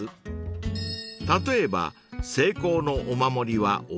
［例えば］